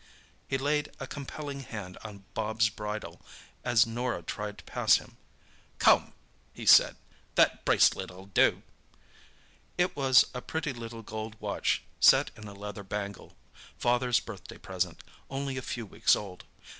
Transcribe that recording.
He laid a compelling hand on Bobs' bridle as Norah tried to pass him. "Come," he said—"that bracelet'll do!" It was a pretty little gold watch set in a leather bangle—father's birthday present, only a few weeks old.